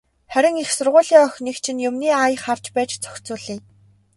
Харин их сургуулийн охиныг чинь юмны ая харж байж зохицуулъя.